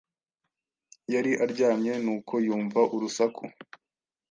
yari aryamye nuko yumva urusaku